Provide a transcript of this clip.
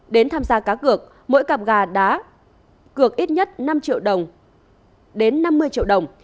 đến tham gia cá cược mỗi cặp gà đá cược ít nhất năm triệu đồng đến năm mươi triệu đồng